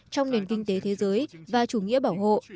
trong nền kinh tế thế giới và chủ nghĩa bảo hộ